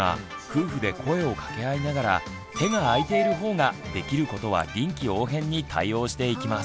夫婦で声を掛け合いながら手が空いている方ができることは臨機応変に対応していきます。